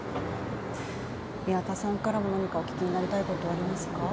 宮田さんからも何かお聞きになりたいことはありますか？